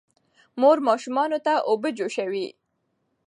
مور ماشومانو ته اوبه جوشوي.